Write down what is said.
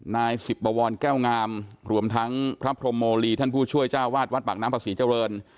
นายสิบบวรแก้วงามรวมทั้งพระพรมโมลีท่านผู้ช่วยเจ้าวาดวัดปากน้ำพระศรีเจริญ